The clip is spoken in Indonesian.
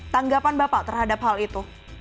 tanggapan bapak terhadap hal itu